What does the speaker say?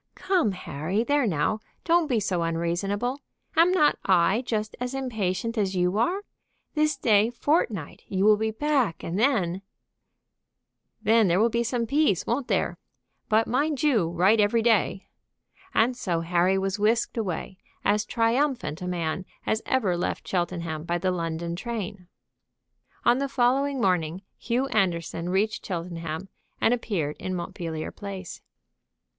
"Come Harry there now don't be so unreasonable. Am not I just as impatient as you are? This day fortnight you will be back, and then " "Then there will be some peace, won't there? But mind you write every day." And so Harry was whisked away, as triumphant a man as ever left Cheltenham by the London train. On the following morning Hugh Anderson reached Cheltenham and appeared in Montpellier Place.